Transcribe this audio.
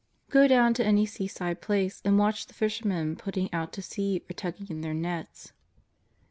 Go down to any seaside place and watch the fishermen put ting out to sea or tugging in their nets.